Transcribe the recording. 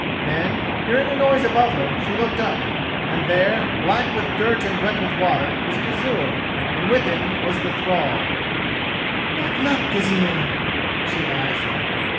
Then, hearing a noise above her, she looked up, and there, black with dirt and wet with water, was Gizur, and with him was the thrall. "What luck, Gizur?" she asked.